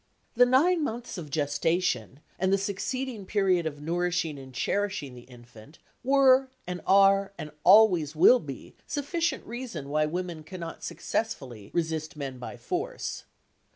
The nine months of gestation and the succeeding period of nourishing and cherishing the infant were, and are, and always will be sufficient reason why women cannot successfully resist men by force.